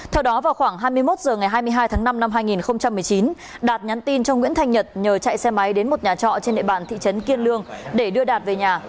theo đó vào khoảng hai mươi một h ngày hai mươi hai tháng năm năm hai nghìn một mươi chín đạt nhắn tin cho nguyễn thanh nhật nhờ chạy xe máy đến một nhà trọ trên địa bàn thị trấn kiên lương để đưa đạt về nhà